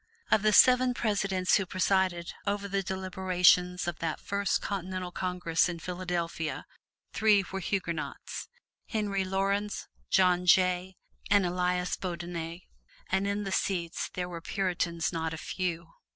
Of the seven Presidents who presided over the deliberations of that first Continental Congress in Philadelphia, three were Huguenots: Henry Laurens, John Jay and Elias Boudinot, and in the seats there were Puritans not a few.